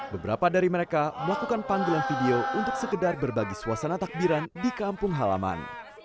beberapa dari mereka melakukan panggilan video untuk sekedar berbagi suasana takbiran di kampung halaman